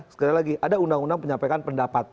sekali lagi ada undang undang penyampaikan pendapat